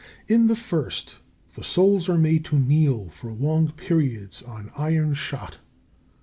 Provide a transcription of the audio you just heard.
In the first, the souls are made to kneel for long periods on iron shot.